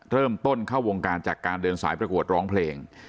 เริ่มต้นเข้าวงการจากการเดินสายประกวดร้องเพลง